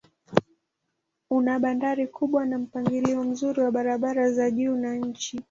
Una bandari kubwa na mpangilio mzuri wa barabara za juu na chini.